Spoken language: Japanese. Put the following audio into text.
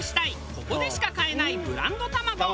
ここでしか買えないブランド卵。